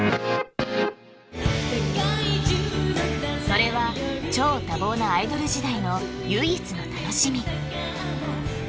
それは超多忙なアイドル時代の唯一の楽しみ